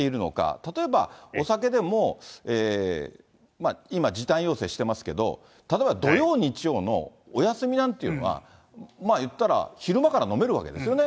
例えばお酒でも、今時短要請してますけど、例えば土曜、日曜のお休みなんていうのは、言ったら、昼間から飲めるわけですよね。